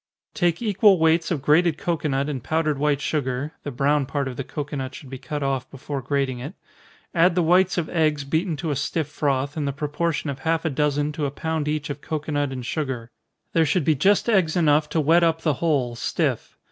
_ Take equal weights of grated cocoanut and powdered white sugar, (the brown part of the cocoanut should be cut off before grating it) add the whites of eggs beaten to a stiff froth, in the proportion of half a dozen to a pound each of cocoanut and sugar. There should be just eggs enough to wet up the whole stiff.